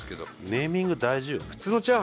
ネーミング大事よね。